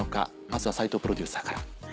まずは齋藤プロデューサーから。